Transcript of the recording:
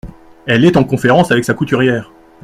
Elle est en conférence avec sa couturière !…